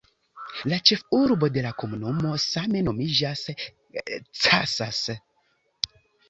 La ĉefurbo de la komunumo same nomiĝas "Casas".